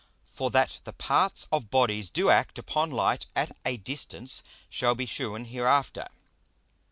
For that the parts of Bodies do act upon Light at a distance shall be shewn hereafter.